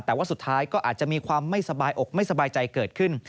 แต่ว่าสุดท้ายก็อาจจะมีความไม่สบายอกไม่สบายใจเกิดขึ้น